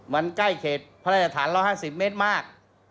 มันใกล้เขตพระราชฐาน๑๕๐เมตรมาก